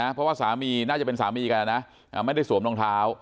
เพราะว่าสามีน่าจะเป็นสามีกันนะไม่ได้สวมรองเท้า